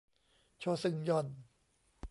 โชซึงยอน